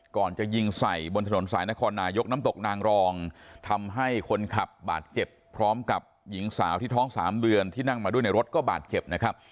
ก่อนจะยิงใส่บนถนนสายนครนายกน้ำตกนางรองทำให้คนขับบาดเจ็บพร้อมกับหญิงสาวที่ท้อง๓เดือนที่นั่งมาด้วยในรถก็บาดเจ็บนะครับ